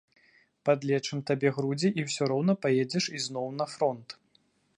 Падлечым табе грудзі і ўсё роўна паедзеш ізноў на фронт.